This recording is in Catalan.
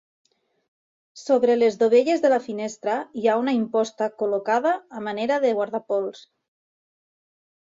Sobre les dovelles de la finestra hi ha una imposta col·locada a manera de guardapols.